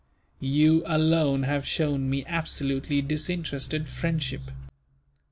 You alone have shown me absolutely disinterested friendship.